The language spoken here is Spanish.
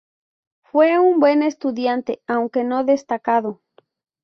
Fue un buen estudiante, aunque no destacado.